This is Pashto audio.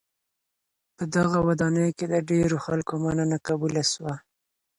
په دغه ودانۍ کي د ډېرو خلکو مننه قبوله سوه.